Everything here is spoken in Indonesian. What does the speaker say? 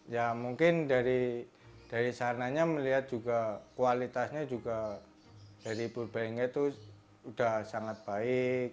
ya mungkin dari sarnanya melihat juga kualitasnya juga dari purbalingga itu udah sangat baik